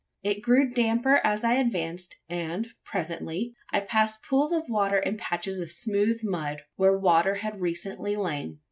It grew damper as I advanced; and, presently, I passed pools of water and patches of smooth mud where water had recently lain.